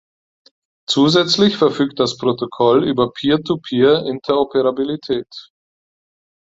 Zusätzlich verfügt das Protokoll über Peer-to-Peer-Interoperabilität.